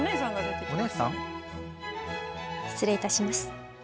失礼いたします。